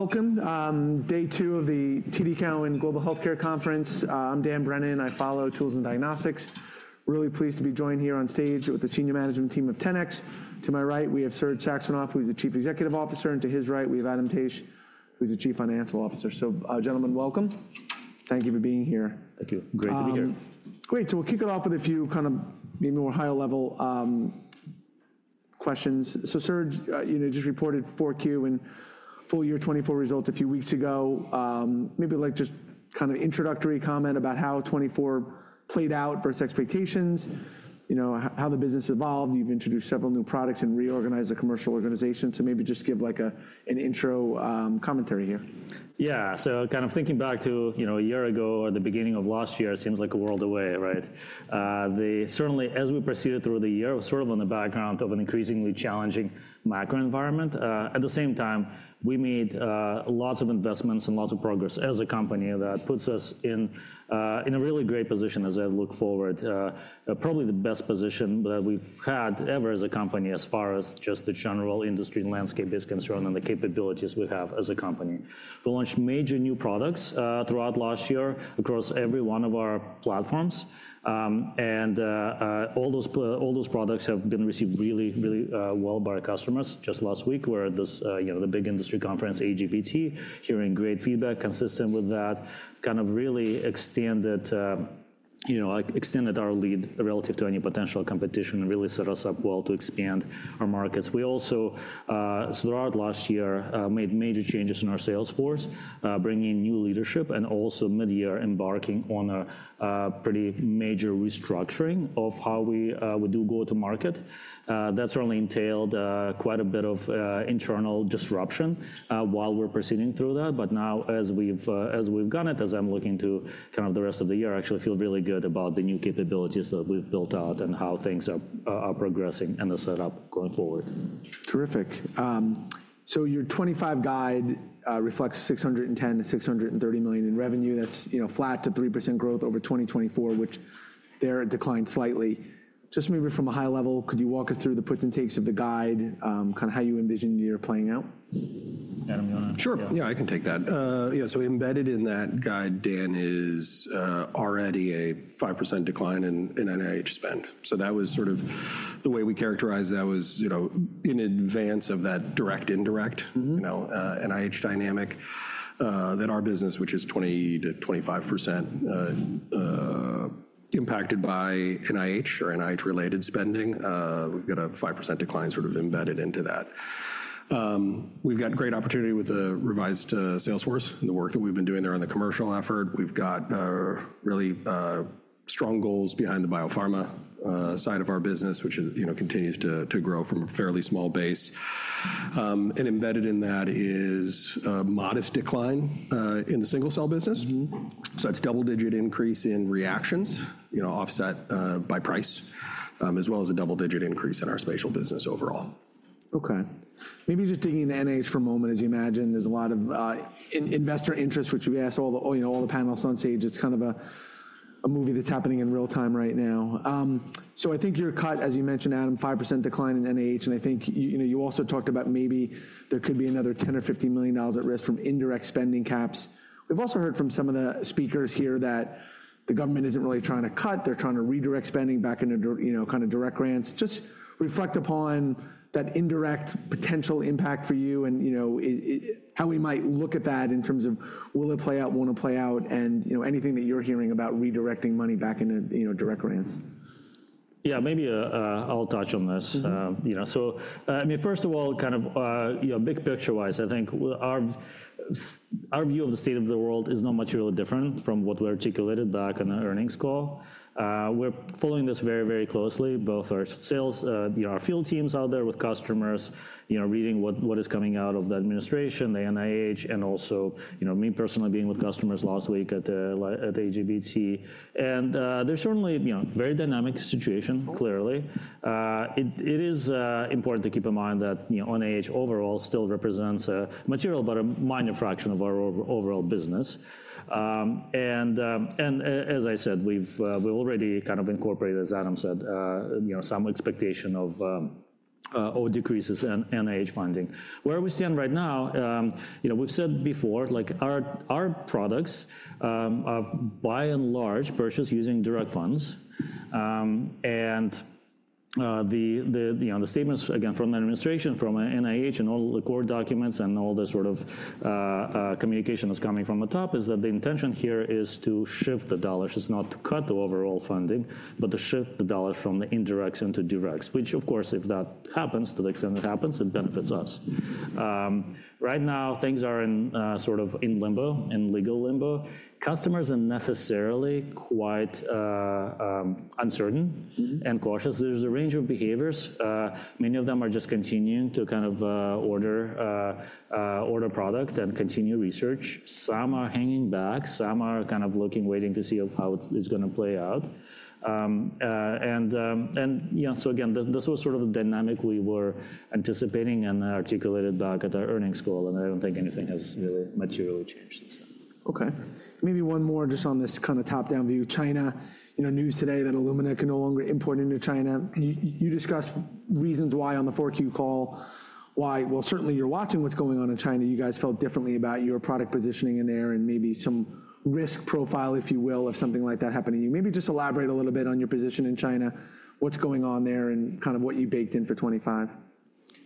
Welcome. Day two of the TD Cowen Global Health Care Conference. I'm Dan Brennan. I follow tools and diagnostics. Really pleased to be joined here on stage with the senior management team of 10x Genomics. To my right, we have Serge Saxonov, who is the Chief Executive Officer. To his right, we have Adam Taich, who is the Chief Financial Officer. Gentlemen, welcome. Thank you for being here. Thank you. Great to be here. Great. We'll kick it off with a few kind of maybe more high-level questions. Serge, you just reported 4Q and full year 2024 results a few weeks ago. Maybe just kind of introductory comment about how 2024 played out versus expectations, how the business evolved. You've introduced several new products and reorganized the commercial organization. Maybe just give an intro commentary here. Yeah. Kind of thinking back to a year ago or the beginning of last year, it seems like a world away, right? Certainly, as we proceeded through the year, it was sort of on the background of an increasingly challenging macro environment. At the same time, we made lots of investments and lots of progress as a company that puts us in a really great position as I look forward. Probably the best position that we've had ever as a company as far as just the general industry landscape is concerned and the capabilities we have as a company. We launched major new products throughout last year across every one of our platforms. All those products have been received really, really well by our customers. Just last week, we were at the big industry conference, AGBT, hearing great feedback consistent with that, kind of really extended our lead relative to any potential competition and really set us up well to expand our markets. We also, throughout last year, made major changes in our sales force, bringing in new leadership and also mid-year embarking on a pretty major restructuring of how we do go to market. That certainly entailed quite a bit of internal disruption while we're proceeding through that. Now, as we've done it, as I'm looking to kind of the rest of the year, I actually feel really good about the new capabilities that we've built out and how things are progressing and the setup going forward. Terrific. Your 2025 guide reflects $610 million-$630 million in revenue. That's flat to 3% growth over 2024, which there declined slightly. Just maybe from a high level, could you walk us through the puts and takes of the guide, kind of how you envision you're playing out? Adam, you want to? Sure. Yeah, I can take that. Yeah. Embedded in that guide, Dan, is already a 5% decline in NIH spend. That was sort of the way we characterized that was in advance of that direct, indirect NIH dynamic that our business, which is 20-25% impacted by NIH or NIH-related spending, we've got a 5% decline sort of embedded into that. We've got great opportunity with the revised sales force and the work that we've been doing there on the commercial effort. We've got really strong goals behind the biopharma side of our business, which continues to grow from a fairly small base. Embedded in that is a modest decline in the single-cell business. It is double-digit increase in reactions offset by price, as well as a double-digit increase in our spatial business overall. OK. Maybe just digging into NIH for a moment, as you imagine, there's a lot of investor interest, which we asked all the panelists on stage. It's kind of a movie that's happening in real time right now. I think your cut, as you mentioned, Adam, 5% decline in NIH. I think you also talked about maybe there could be another $10 million or $15 million at risk from indirect spending caps. We've also heard from some of the speakers here that the government isn't really trying to cut. They're trying to redirect spending back into kind of direct grants. Just reflect upon that indirect potential impact for you and how we might look at that in terms of will it play out, won't it play out, and anything that you're hearing about redirecting money back into direct grants. Yeah, maybe I'll touch on this. I mean, first of all, kind of big picture-wise, I think our view of the state of the world is not much really different from what we articulated back on the earnings call. We're following this very, very closely, both our field teams out there with customers reading what is coming out of the administration, the NIH, and also me personally being with customers last week at the AGBT. There's certainly a very dynamic situation, clearly. It is important to keep in mind that NIH overall still represents a material, but a minor fraction of our overall business. As I said, we've already kind of incorporated, as Adam said, some expectation of decreases in NIH funding. Where we stand right now, we've said before, our products are by and large purchased using direct funds. The statements, again, from the administration, from NIH, and all the core documents, and all this sort of communication that's coming from the top is that the intention here is to shift the dollars. It's not to cut the overall funding, but to shift the dollars from the indirects into directs, which, of course, if that happens to the extent it happens, it benefits us. Right now, things are sort of in limbo, in legal limbo. Customers are necessarily quite uncertain and cautious. There's a range of behaviors. Many of them are just continuing to kind of order product and continue research. Some are hanging back. Some are kind of looking, waiting to see how it's going to play out. This was sort of the dynamic we were anticipating and articulated back at our earnings call. I don't think anything has really materially changed since then. OK. Maybe one more just on this kind of top-down view. China, news today that Illumina can no longer import into China. You discussed reasons why on the Q4 call, why, certainly, you're watching what's going on in China. You guys felt differently about your product positioning in there and maybe some risk profile, if you will, if something like that happened to you. Maybe just elaborate a little bit on your position in China, what's going on there, and kind of what you baked in for 2025.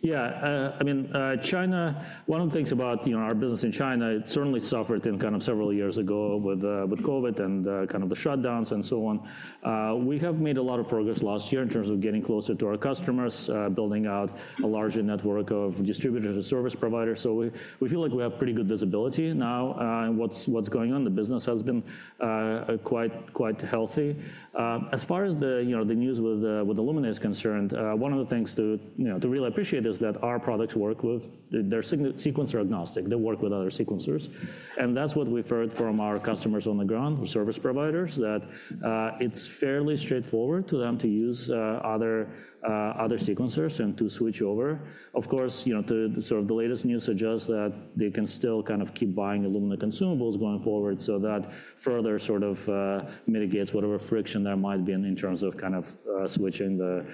Yeah. I mean, China, one of the things about our business in China, it certainly suffered in kind of several years ago with COVID and kind of the shutdowns and so on. We have made a lot of progress last year in terms of getting closer to our customers, building out a larger network of distributors and service providers. We feel like we have pretty good visibility now on what's going on. The business has been quite healthy. As far as the news with Illumina is concerned, one of the things to really appreciate is that our products work with their sequencer agnostic. They work with other sequencers. That is what we've heard from our customers on the ground, service providers, that it's fairly straightforward to them to use other sequencers and to switch over. Of course, sort of the latest news suggests that they can still kind of keep buying Illumina consumables going forward, so that further sort of mitigates whatever friction there might be in terms of kind of switching the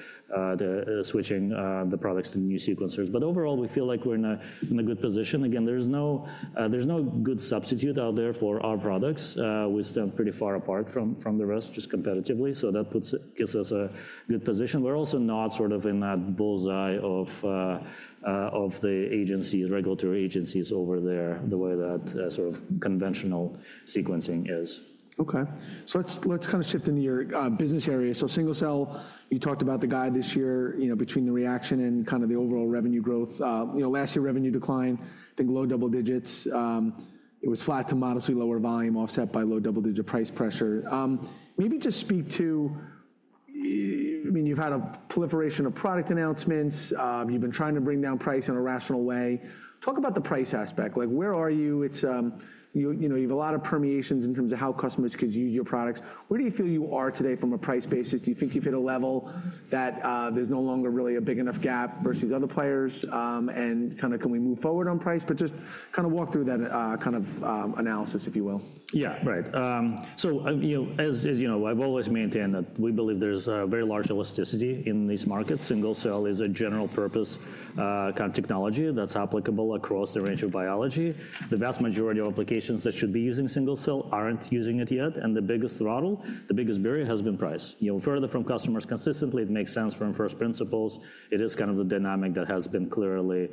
products to new sequencers. Overall, we feel like we're in a good position. Again, there's no good substitute out there for our products. We stand pretty far apart from the rest just competitively. That gives us a good position. We're also not sort of in that bull's eye of the regulatory agencies over there the way that sort of conventional sequencing is. OK. Let's kind of shift into your business area. Single-cell, you talked about the guide this year between the reaction and kind of the overall revenue growth. Last year, revenue declined, I think low double digits. It was flat to modestly lower volume offset by low double-digit price pressure. Maybe just speak to, I mean, you've had a proliferation of product announcements. You've been trying to bring down price in a rational way. Talk about the price aspect. Where are you? You've a lot of permeations in terms of how customers could use your products. Where do you feel you are today from a price basis? Do you think you've hit a level that there's no longer really a big enough gap versus other players? Can we move forward on price? Just kind of walk through that kind of analysis, if you will. Yeah, right. As you know, I've always maintained that we believe there's a very large elasticity in these markets. Single-cell is a general-purpose kind of technology that's applicable across the range of biology. The vast majority of applications that should be using single-cell aren't using it yet. The biggest throttle, the biggest barrier has been price. Further from customers consistently, it makes sense from first principles. It is kind of the dynamic that has been clearly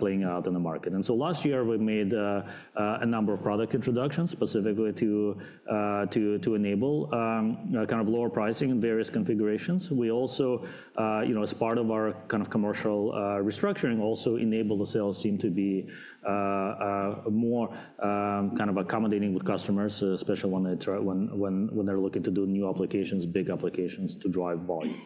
playing out in the market. Last year, we made a number of product introductions specifically to enable kind of lower pricing in various configurations. We also, as part of our kind of commercial restructuring, also enabled the sales team to be more kind of accommodating with customers, especially when they're looking to do new applications, big applications to drive volume.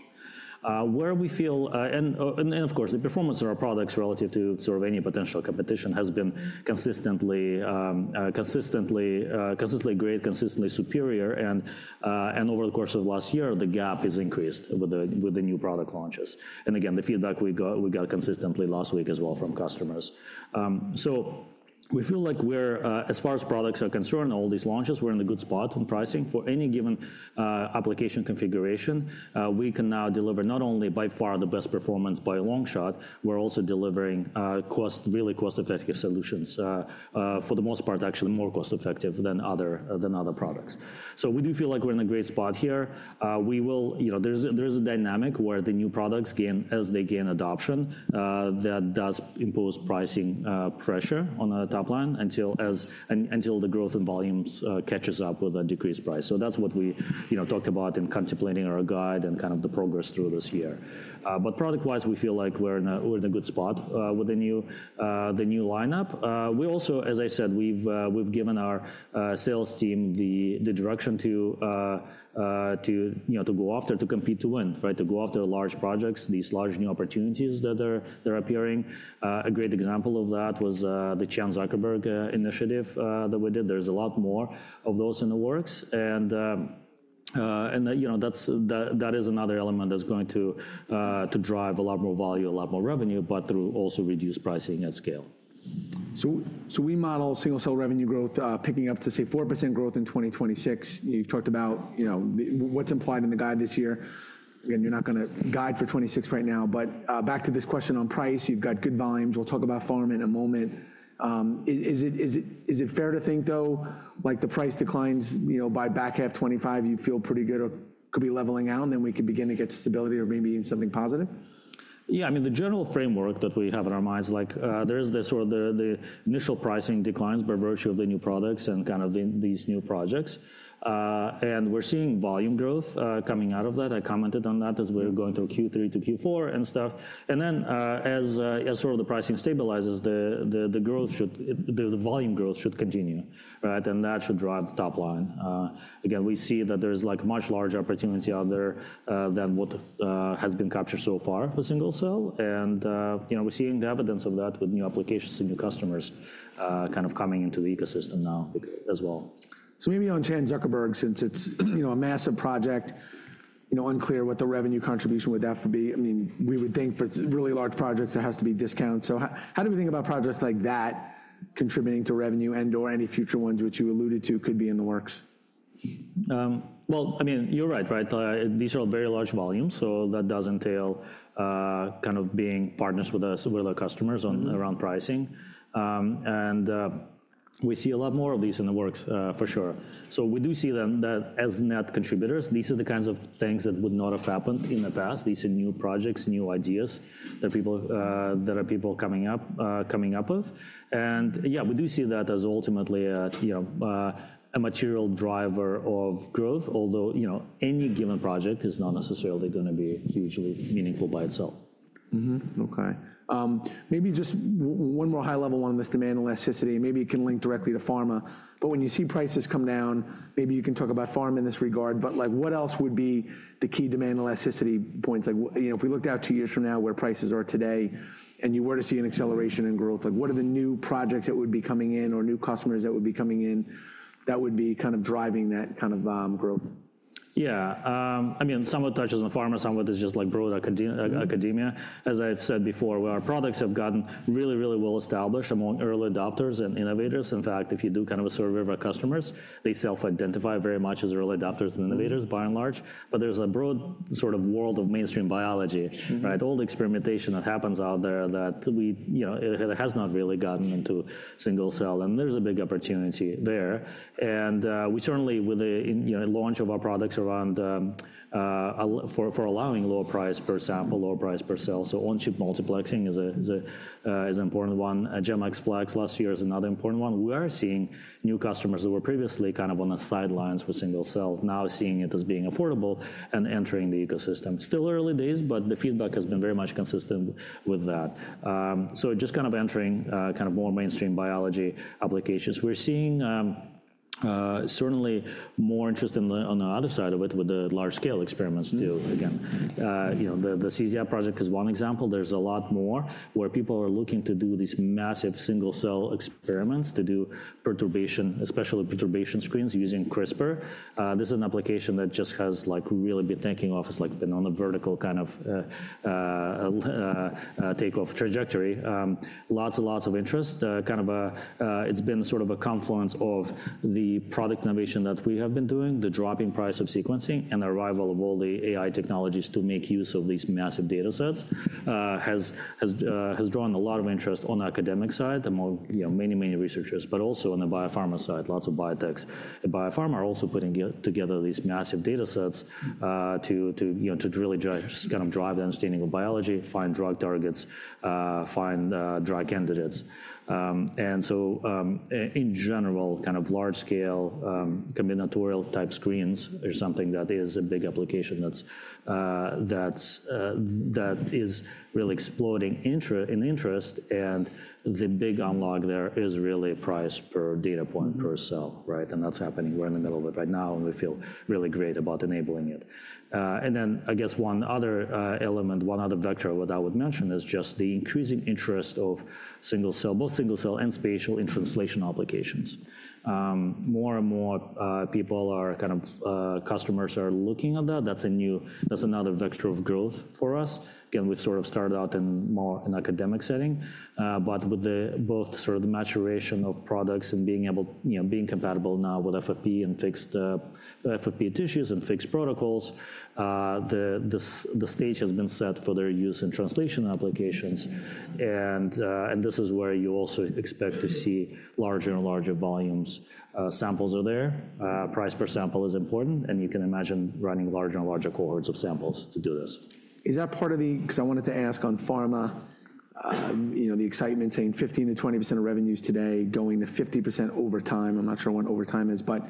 Where we feel, and of course, the performance of our products relative to sort of any potential competition has been consistently great, consistently superior. Over the course of last year, the gap has increased with the new product launches. The feedback we got consistently last week as well from customers. We feel like we're, as far as products are concerned, all these launches, we're in a good spot on pricing for any given application configuration. We can now deliver not only by far the best performance by a long shot, we're also delivering really cost-effective solutions for the most part, actually more cost-effective than other products. We do feel like we're in a great spot here. There is a dynamic where the new products, as they gain adoption, that does impose pricing pressure on the top line until the growth in volumes catches up with a decreased price. That is what we talked about in contemplating our guide and kind of the progress through this year. Product-wise, we feel like we're in a good spot with the new lineup. We also, as I said, we've given our sales team the direction to go after, to compete to win, to go after large projects, these large new opportunities that are appearing. A great example of that was the Chan Zuckerberg Initiative that we did. There are a lot more of those in the works. That is another element that's going to drive a lot more volume, a lot more revenue, but through also reduced pricing at scale. We model single-cell revenue growth picking up to, say, 4% growth in 2026. You've talked about what's implied in the guide this year. Again, you're not going to guide for 2026 right now. Back to this question on price, you've got good volumes. We'll talk about pharm in a moment. Is it fair to think, though, like the price declines by back half 2025, you feel pretty good or could be leveling out, and then we could begin to get stability or maybe something positive? Yeah. I mean, the general framework that we have in our minds, there is this sort of the initial pricing declines by virtue of the new products and kind of these new projects. We are seeing volume growth coming out of that. I commented on that as we were going through Q3 to Q4 and stuff. As sort of the pricing stabilizes, the volume growth should continue. That should drive the top line. Again, we see that there is like much larger opportunity out there than what has been captured so far for single-cell. We are seeing the evidence of that with new applications and new customers kind of coming into the ecosystem now as well. Maybe on Chan Zuckerberg, since it's a massive project, unclear what the revenue contribution would have to be. I mean, we would think for really large projects, there has to be discounts. How do we think about projects like that contributing to revenue and/or any future ones, which you alluded to could be in the works? I mean, you're right. These are very large volumes. That does entail kind of being partners with us, with our customers around pricing. We see a lot more of these in the works, for sure. We do see that as net contributors. These are the kinds of things that would not have happened in the past. These are new projects, new ideas that people are coming up with. Yeah, we do see that as ultimately a material driver of growth, although any given project is not necessarily going to be hugely meaningful by itself. OK. Maybe just one more high-level one on this demand elasticity. Maybe it can link directly to pharma. When you see prices come down, maybe you can talk about pharma in this regard. What else would be the key demand elasticity points? If we looked out two years from now where prices are today and you were to see an acceleration in growth, what are the new projects that would be coming in or new customers that would be coming in that would be kind of driving that kind of growth? Yeah. I mean, some of it touches on pharma. Some of it is just like broad academia. As I've said before, our products have gotten really, really well established among early adopters and innovators. In fact, if you do kind of a survey of our customers, they self-identify very much as early adopters and innovators by and large. There is a broad sort of world of mainstream biology, all the experimentation that happens out there that has not really gotten into single-cell. There is a big opportunity there. We certainly, with the launch of our products around for allowing lower price per sample, lower price per cell. On-chip multiplexing is an important one. Chromium Flex last year is another important one. We are seeing new customers that were previously kind of on the sidelines for single-cell, now seeing it as being affordable and entering the ecosystem. Still early days, but the feedback has been very much consistent with that. Just kind of entering more mainstream biology applications. We're seeing certainly more interest on the other side of it with the large-scale experiments too, again. The CZI project is one example. There's a lot more where people are looking to do these massive single-cell experiments to do perturbation, especially perturbation screens using CRISPR. This is an application that just has really been taking off. It's been on a vertical kind of takeoff trajectory. Lots and lots of interest. Kind of it's been sort of a confluence of the product innovation that we have been doing, the dropping price of sequencing, and the arrival of all the AI technologies to make use of these massive data sets has drawn a lot of interest on the academic side among many, many researchers, but also on the biopharma side, lots of biotechs. The biopharma are also putting together these massive data sets to really just kind of drive the understanding of biology, find drug targets, find drug candidates. In general, kind of large-scale combinatorial type screens are something that is a big application that is really exploding in interest. The big unlock there is really price per data point per cell. That's happening. We're in the middle of it right now. We feel really great about enabling it. I guess one other element, one other vector that I would mention is just the increasing interest of single-cell, both single-cell and spatial in translation applications. More and more people are, kind of, customers are looking at that. That's another vector of growth for us. Again, we've sort of started out in more an academic setting. With both sort of the maturation of products and being able, being compatible now with FFPE and fixed FFPE tissues and fixed protocols, the stage has been set for their use in translation applications. This is where you also expect to see larger and larger volumes. Samples are there. Price per sample is important. You can imagine running larger and larger cohorts of samples to do this. Is that part of the—because I wanted to ask on pharma, the excitement saying 15%-20% of revenues today going to 50% over time. I'm not sure what over time is. I was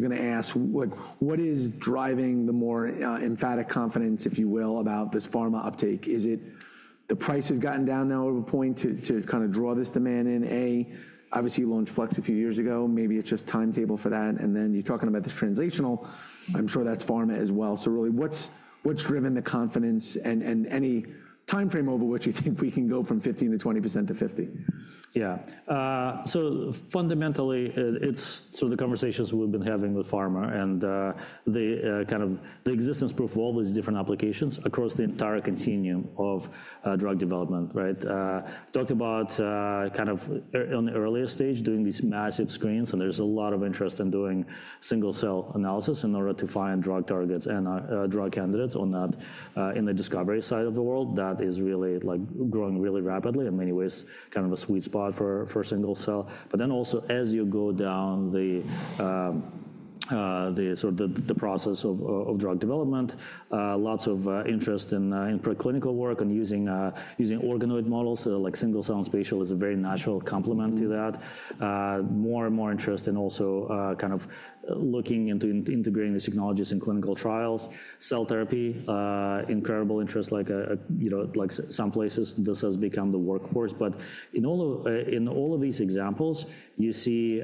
going to ask, what is driving the more emphatic confidence, if you will, about this pharma uptake? Is it the price has gotten down now over a point to kind of draw this demand in? A, obviously you launched FLX a few years ago. Maybe it's just timetable for that. You are talking about this translational. I'm sure that's pharma as well. Really, what's driven the confidence and any time frame over which you think we can go from 15%-20% to 50%? Yeah. Fundamentally, it's sort of the conversations we've been having with pharma and kind of the existence proof of all these different applications across the entire continuum of drug development. Talking about kind of on the earlier stage doing these massive screens. There's a lot of interest in doing single-cell analysis in order to find drug targets and drug candidates on that in the discovery side of the world. That is really growing really rapidly in many ways, kind of a sweet spot for single-cell. Also, as you go down the sort of the process of drug development, lots of interest in preclinical work and using organoid models. Single-cell and spatial is a very natural complement to that. More and more interest in also kind of looking into integrating these technologies in clinical trials. Cell therapy, incredible interest. Like some places, this has become the workforce. In all of these examples, you see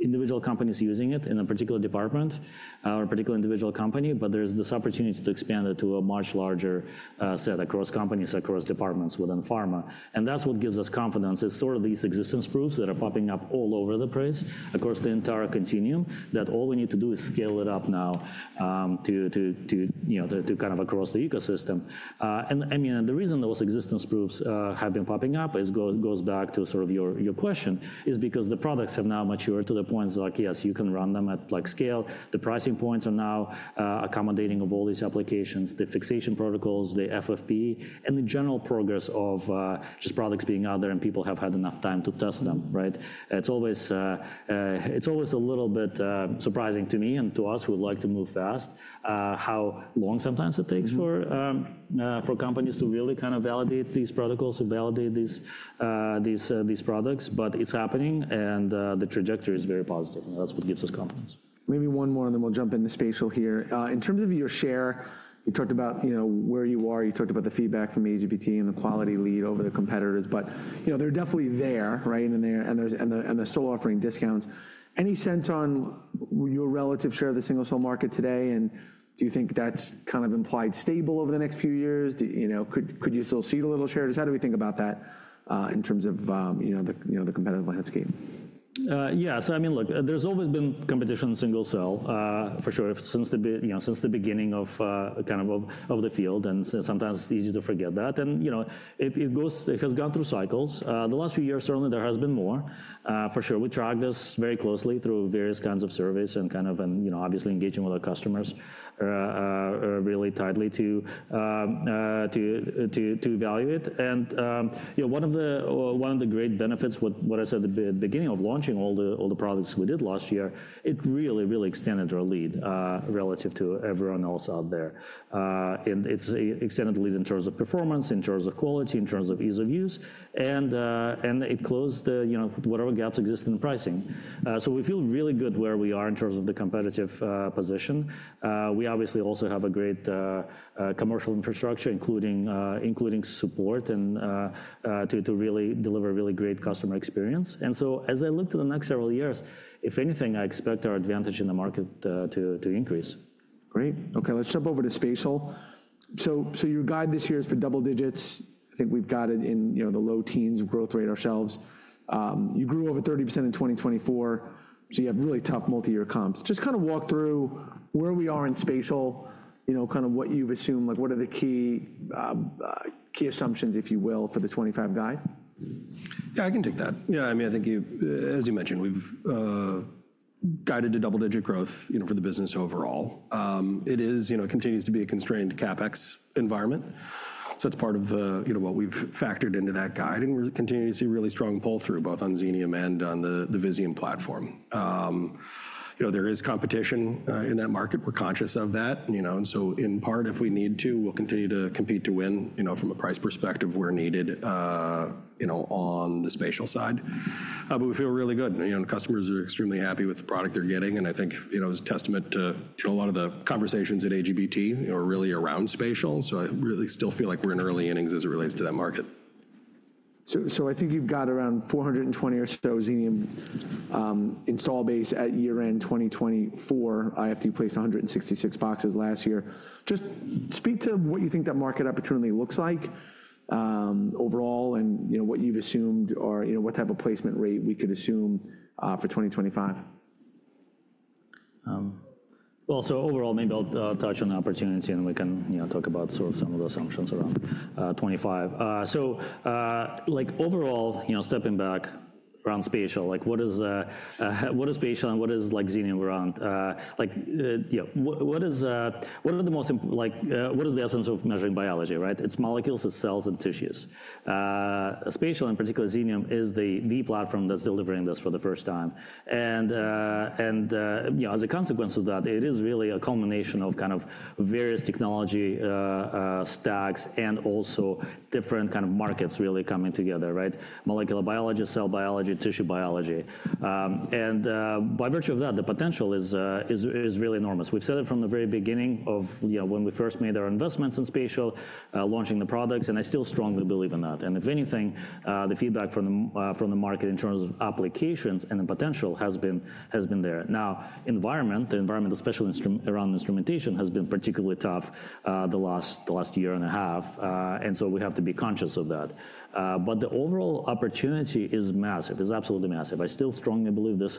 individual companies using it in a particular department or a particular individual company. There is this opportunity to expand it to a much larger set across companies, across departments within pharma. That is what gives us confidence. It is sort of these existence proofs that are popping up all over the place across the entire continuum that all we need to do is scale it up now to kind of across the ecosystem. I mean, the reason those existence proofs have been popping up goes back to sort of your question is because the products have now matured to the point that, yes, you can run them at scale. The pricing points are now accommodating of all these applications, the fixation protocols, the FFPE, and the general progress of just products being out there and people have had enough time to test them. It's always a little bit surprising to me and to us. We would like to move fast. How long sometimes it takes for companies to really kind of validate these protocols and validate these products. It is happening. The trajectory is very positive. That is what gives us confidence. Maybe one more, and then we'll jump into spatial here. In terms of your share, you talked about where you are. You talked about the feedback from AGBT and the quality lead over the competitors. They are definitely there. They are still offering discounts. Any sense on your relative share of the single-cell market today? Do you think that's kind of implied stable over the next few years? Could you still see a little share? Just how do we think about that in terms of the competitive landscape? Yeah. I mean, look, there's always been competition in single-cell for sure since the beginning of kind of the field. Sometimes it's easy to forget that. It has gone through cycles. The last few years, certainly, there has been more. For sure, we track this very closely through various kinds of surveys and obviously engaging with our customers really tightly to evaluate it. One of the great benefits, what I said at the beginning of launching all the products we did last year, it really, really extended our lead relative to everyone else out there. It has extended the lead in terms of performance, in terms of quality, in terms of ease of use. It closed whatever gaps exist in pricing. We feel really good where we are in terms of the competitive position. We obviously also have a great commercial infrastructure, including support to really deliver a really great customer experience. As I look to the next several years, if anything, I expect our advantage in the market to increase. Great. OK. Let's jump over to spatial. Your guide this year is for double digits. I think we've got it in the low teens growth rate ourselves. You grew over 30% in 2024. You have really tough multi-year comps. Just kind of walk through where we are in spatial, kind of what you've assumed, what are the key assumptions, if you will, for the 2025 guide? Yeah, I can take that. Yeah. I mean, I think, as you mentioned, we've guided to double-digit growth for the business overall. It continues to be a constrained CapEx environment. That is part of what we've factored into that guide. We're continuing to see really strong pull-through both on Xenium and on the Visium platform. There is competition in that market. We're conscious of that. In part, if we need to, we'll continue to compete to win from a price perspective where needed on the spatial side. We feel really good. Customers are extremely happy with the product they're getting. I think it was a testament to a lot of the conversations at AGBT were really around spatial. I really still feel like we're in early innings as it relates to that market. I think you've got around 420 or so Xenium install base at year-end 2024. IFT placed 166 boxes last year. Just speak to what you think that market opportunity looks like overall and what you've assumed or what type of placement rate we could assume for 2025. Overall, maybe I'll touch on the opportunity. We can talk about sort of some of the assumptions around '25. Overall, stepping back around spatial, what is spatial and what is Xenium around? What are the most, what is the essence of measuring biology? It's molecules, it's cells, and tissues. Spatial, in particular, Xenium is the platform that's delivering this for the first time. As a consequence of that, it is really a culmination of kind of various technology stacks and also different kind of markets really coming together, molecular biology, cell biology, tissue biology. By virtue of that, the potential is really enormous. We've said it from the very beginning of when we first made our investments in spatial, launching the products. I still strongly believe in that. If anything, the feedback from the market in terms of applications and the potential has been there. The environment, especially around instrumentation, has been particularly tough the last year and a half. We have to be conscious of that. The overall opportunity is massive. It's absolutely massive. I still strongly believe this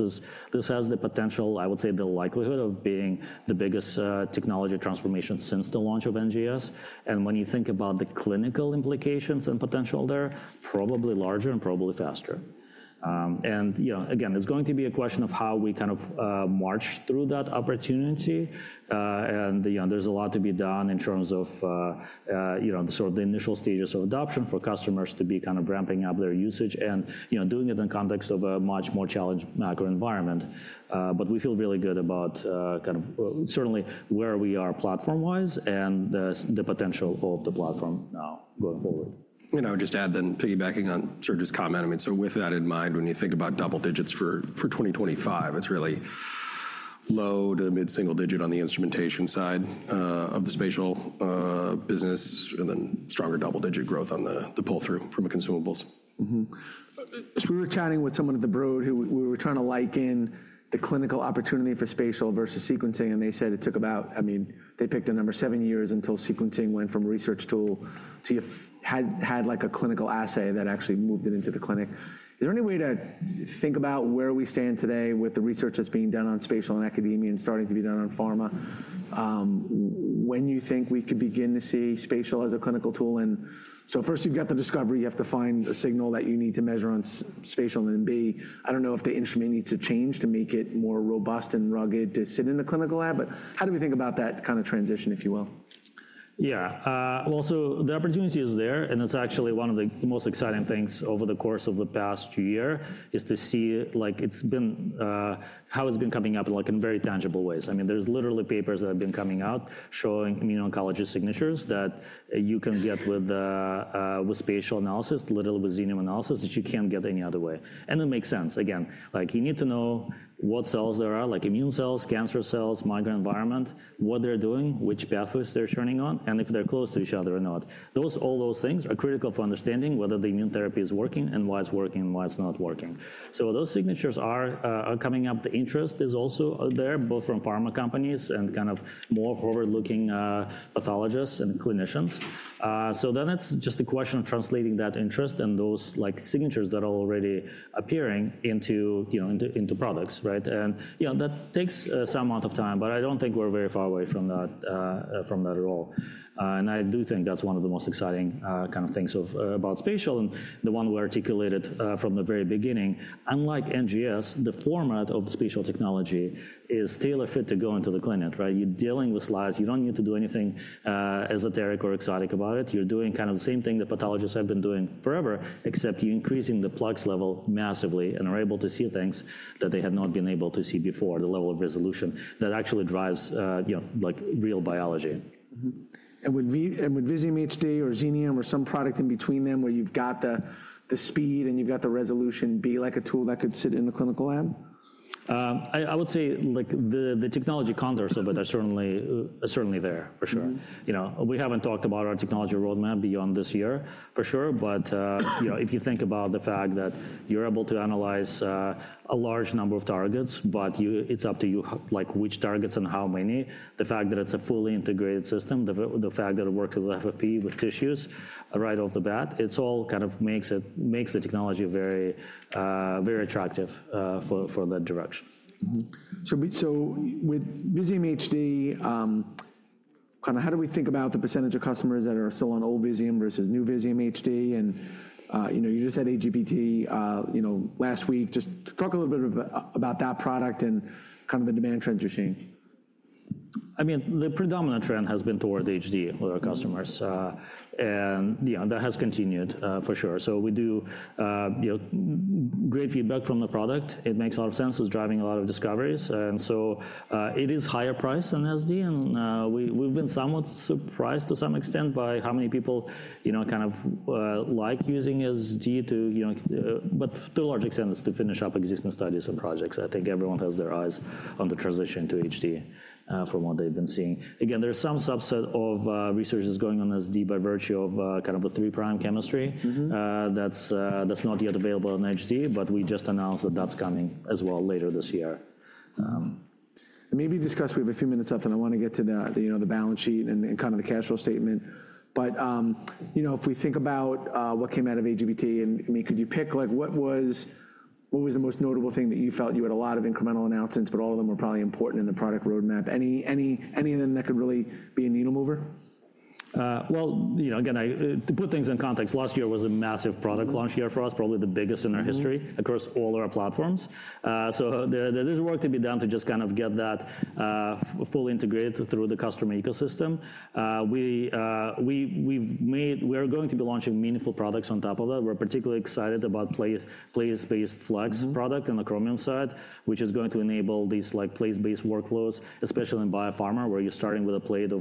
has the potential, I would say the likelihood of being the biggest technology transformation since the launch of NGS. When you think about the clinical implications and potential there, probably larger and probably faster. Again, it's going to be a question of how we kind of march through that opportunity. There is a lot to be done in terms of sort of the initial stages of adoption for customers to be kind of ramping up their usage and doing it in the context of a much more challenged macro environment. We feel really good about kind of certainly where we are platform-wise and the potential of the platform now going forward. I would just add then, piggybacking on Serge's comment, I mean, with that in mind, when you think about double digits for 2025, it's really low to mid-single digit on the instrumentation side of the spatial business and then stronger double-digit growth on the pull-through from consumables. We were chatting with someone at the Broad who we were trying to like in the clinical opportunity for spatial versus sequencing. They said it took about, I mean, they picked a number, seven years until sequencing went from research tool to you had a clinical assay that actually moved it into the clinic. Is there any way to think about where we stand today with the research that's being done on spatial in academia and starting to be done on pharma when you think we could begin to see spatial as a clinical tool? First, you've got the discovery. You have to find a signal that you need to measure on spatial. Then B, I don't know if the instrument needs to change to make it more robust and rugged to sit in a clinical lab. How do we think about that kind of transition, if you will? Yeah. The opportunity is there. It's actually one of the most exciting things over the course of the past year to see how it's been coming up in very tangible ways. I mean, there are literally papers that have been coming out showing immuno-oncology signatures that you can get with spatial analysis, literally with Xenium analysis, that you can't get any other way. It makes sense. Again, you need to know what cells there are, like immune cells, cancer cells, microenvironment, what they're doing, which pathways they're turning on, and if they're close to each other or not. All those things are critical for understanding whether the immune therapy is working and why it's working and why it's not working. Those signatures are coming up. The interest is also there both from pharma companies and kind of more forward-looking pathologists and clinicians. It is just a question of translating that interest and those signatures that are already appearing into products. That takes some amount of time. I do not think we are very far away from that at all. I do think that is one of the most exciting kind of things about spatial and the one we articulated from the very beginning. Unlike NGS, the format of spatial technology is tailor-fit to go into the clinic. You are dealing with slides. You do not need to do anything esoteric or exotic about it. You are doing kind of the same thing that pathologists have been doing forever, except you are increasing the plugs level massively and are able to see things that they had not been able to see before, the level of resolution that actually drives real biology. Would Visium HD or Xenium or some product in between them where you've got the speed and you've got the resolution be like a tool that could sit in the clinical lab? I would say the technology contours of it are certainly there, for sure. We haven't talked about our technology roadmap beyond this year, for sure. If you think about the fact that you're able to analyze a large number of targets, but it's up to you which targets and how many, the fact that it's a fully integrated system, the fact that it works with FFPE, with tissues right off the bat, it all kind of makes the technology very attractive for that direction. With Visium HD, kind of how do we think about the percentage of customers that are still on old Visium versus new Visium HD? You just said AGBT last week. Just talk a little bit about that product and kind of the demand trends you're seeing. I mean, the predominant trend has been toward HD with our customers. That has continued, for sure. We do get great feedback from the product. It makes a lot of sense. It is driving a lot of discoveries. It is higher priced than SD. We have been somewhat surprised to some extent by how many people kind of like using SD too, but to a large extent, it is to finish up existing studies and projects. I think everyone has their eyes on the transition to HD from what they have been seeing. Again, there is some subset of research that is going on SD by virtue of kind of the three-prime chemistry that is not yet available in HD. We just announced that is coming as well later this year. Maybe discuss. We have a few minutes left. I want to get to the balance sheet and kind of the cash flow statement. If we think about what came out of AGBT, I mean, could you pick what was the most notable thing that you felt? You had a lot of incremental announcements, but all of them were probably important in the product roadmap. Any of them that could really be a needle mover? To put things in context, last year was a massive product launch year for us, probably the biggest in our history across all our platforms. There is work to be done to just kind of get that fully integrated through the customer ecosystem. We are going to be launching meaningful products on top of that. We're particularly excited about place-based Flex product on the Chromium side, which is going to enable these place-based workflows, especially in biopharma, where you're starting with a plate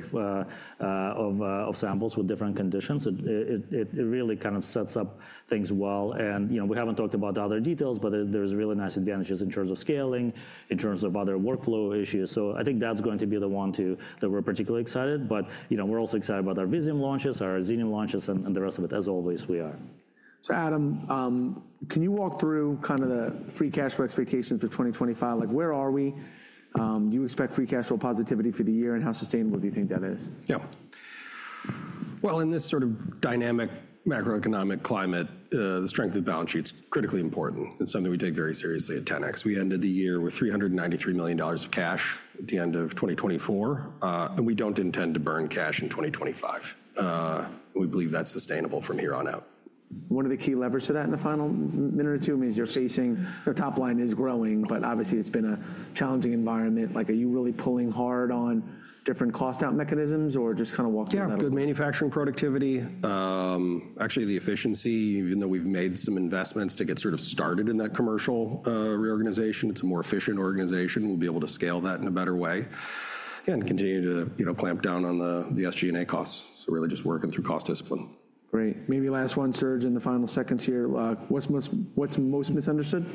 of samples with different conditions. It really kind of sets up things well. We have not talked about other details, but there are really nice advantages in terms of scaling, in terms of other workflow issues. I think that is going to be the one that we're particularly excited about. We are also excited about our Visium launches, our Xenium launches, and the rest of it, as always, we are. Adam, can you walk through kind of the free cash flow expectations for 2025? Where are we? Do you expect free cash flow positivity for the year? How sustainable do you think that is? Yeah. In this sort of dynamic macroeconomic climate, the strength of balance sheet is critically important. It's something we take very seriously at 10x. We ended the year with $393 million of cash at the end of 2024. We don't intend to burn cash in 2025. We believe that's sustainable from here on out. One of the key levers to that in the final minute or two means you're facing your top line is growing. Obviously, it's been a challenging environment. Are you really pulling hard on different cost-out mechanisms or just kind of walking out? Yeah, good manufacturing productivity. Actually, the efficiency, even though we've made some investments to get sort of started in that commercial reorganization, it's a more efficient organization. We'll be able to scale that in a better way and continue to clamp down on the SG&A costs. Really just working through cost discipline. Great. Maybe last one, Serge, in the final seconds here. What's most misunderstood?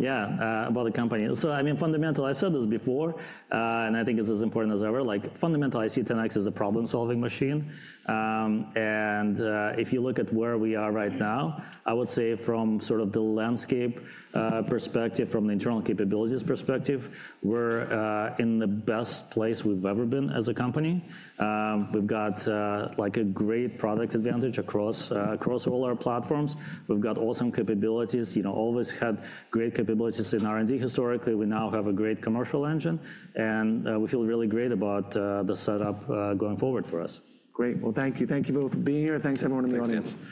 Yeah, about the company. I mean, fundamental, I've said this before. I think it's as important as ever. Fundamentally, I see 10x as a problem-solving machine. If you look at where we are right now, I would say from sort of the landscape perspective, from the internal capabilities perspective, we're in the best place we've ever been as a company. We've got a great product advantage across all our platforms. We've got awesome capabilities, always had great capabilities in R&D historically. We now have a great commercial engine. We feel really great about the setup going forward for us. Great. Thank you. Thank you both for being here. Thanks, everyone, in the audience.